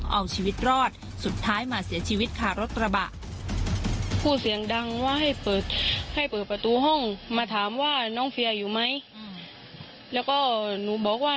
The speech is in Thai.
เอาชีวิตรอดสุดท้ายมาเสียชีวิตค่ะรถกระบะ